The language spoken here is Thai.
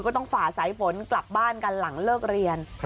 ฝ่าสายฝนกลับบ้านกันหลังเลิกเรียน